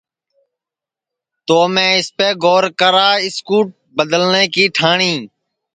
تو میں اِسپے گور کرا اِس کُو بدلنے کی ٹھاٹؔی